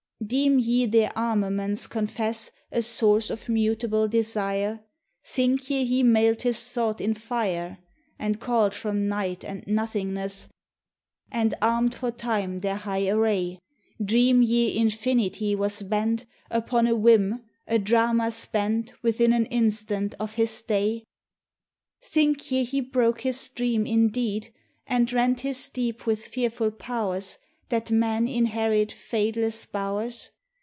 Deem ye their armaments confess A source of mutable desire? Think ye He mailed His thought in fire And called from night and nothingness And armed for Time their high array? Dream ye Infinity was bent Upon a whim, a drama spent Within an instant of His day? Think ye He broke His dream indeed, And rent His deep with fearful Pow'rs, That Man inherit fadeless bow'rs?